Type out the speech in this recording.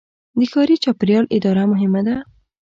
د ښاري چاپیریال اداره مهمه ده.